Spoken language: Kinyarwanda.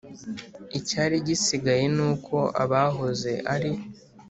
icyari gisigaye ni uko abahoze ari